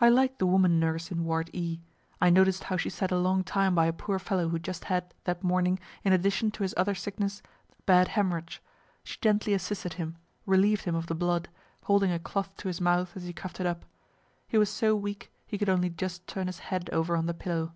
I liked the woman nurse in ward E I noticed how she sat a long time by a poor fellow who just had, that morning, in addition to his other sickness, bad hemorrhage she gently assisted him, reliev'd him of the blood, holding a cloth to his mouth, as he coughed it up he was so weak he could only just turn his head over on the pillow.